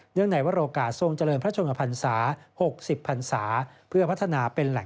เนื่องในวัลโอกาสทรงเฉลิมพระชมพันศา